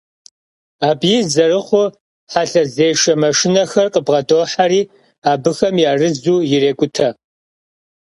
Abı yiz zerıxhuu, helhezêşşe maşşinexer khıbğedoheri, abıxem yarızu yirêk'ute.